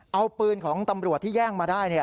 เอาปืนของตำรวจที่แย่งมาได้